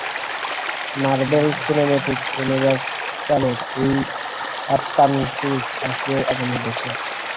Marvel cinematic ইউনিভার্সের এই upcoming series আসবে আগামী বছর।